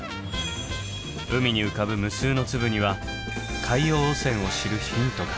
海に浮かぶ無数の粒には海洋汚染を知るヒントが。